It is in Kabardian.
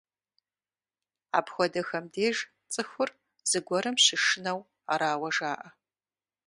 Апхуэдэхэм деж цӀыхур зыгуэрым щышынэу арауэ жаӀэ.